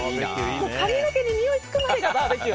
髪の毛ににおいがつくまでがバーベキュー。